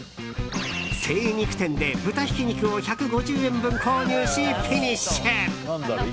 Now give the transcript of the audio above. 精肉店で豚ひき肉を１５０円分購入しフィニッシュ。